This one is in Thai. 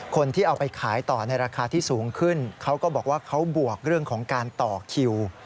คนที่เอาไปขายต่อในราคาที่สูงขึ้นเขาก็บอกว่าเขาบวกเรื่องของการต่อคิว